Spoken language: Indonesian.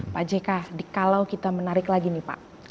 pak jk kalau kita menarik lagi nih pak